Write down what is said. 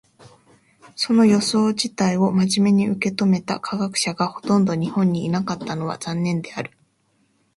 その予想自体を真面目に受け止めた科学者がほとんど日本にいなかったのは残念である。